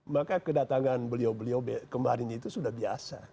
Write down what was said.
maka kedatangan beliau beliau kemarin itu sudah biasa